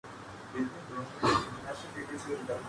یہ تھرلر فلمیں دیکھنے کے لیے تیار ہیں